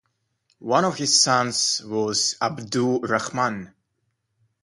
One of his sons was Abdu r-Rahman.